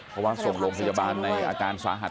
เพราะว่าส่งโรงพยาบาลในอาการสาหัส